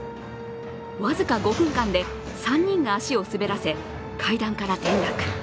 僅か５分間で３人が足を滑らせ階段から転落。